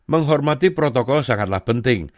menghormati protokol sangatlah penting